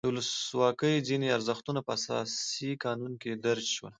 د ولسواکۍ ځینې ارزښتونه په اساسي قانون کې درج شول.